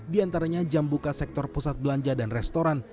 di antaranya jam buka sektor pusat belanja dan restoran